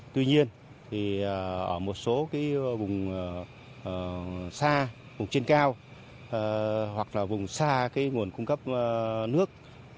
tuy nhiên ở một số vùng xa vùng trên cao hoặc là vùng xa nguồn cung cấp nước